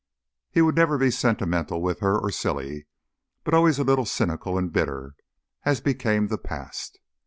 He would never be sentimental with her, or silly; but always a little cynical and bitter, as became the past.